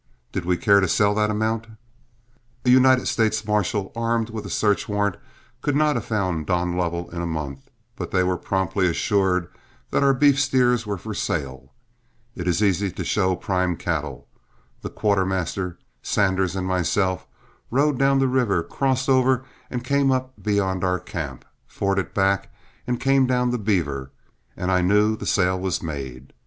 Did we care to sell that amount? A United States marshal, armed with a search warrant, could not have found Don Lovell in a month, but they were promptly assured that our beef steers were for sale. It is easy to show prime cattle. The quartermaster, Sanders, and myself rode down the river, crossed over and came up beyond our camp, forded back and came down the Beaver, and I knew the sale was made.